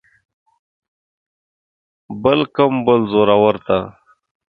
بل کوم بل زورور ته.